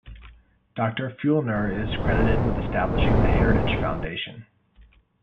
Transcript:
Doctor Feulner is credited with establishing The Heritage Foundation.